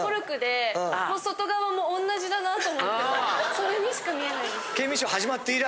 それにしか見えないです。